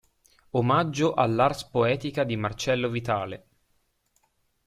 Omaggio all’ars poetica di Marcello Vitale”.